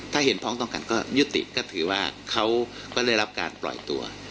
ถ้าเห็นพ้องต้องกันก็ยุติก็ถือว่าเขาก็ได้รับการปล่อยตัว